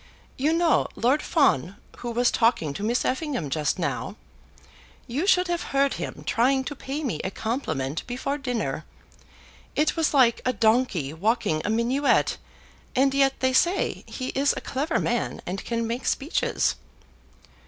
"You know Lord Fawn, who was talking to Miss Effingham just now. You should have heard him trying to pay me a compliment before dinner. It was like a donkey walking a minuet, and yet they say he is a clever man and can make speeches."